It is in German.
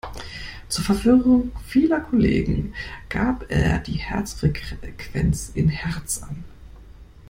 Zur Verwirrung vieler Kollegen, gab er die Herzfrequenz in Hertz an.